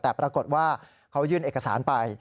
แต่ปรากฏว่าเขายื่นเอกสารไป